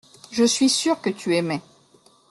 Je suis sûr que tu aimais.